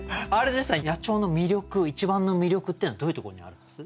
ＲＧさん野鳥の一番の魅力っていうのはどういうところにあるんです？